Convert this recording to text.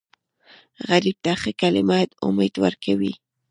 غریب ته ښه کلمه امید ورکوي